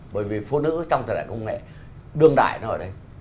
bởi vì phụ nữ trong thời đại công nghệ đương đại nó ở đây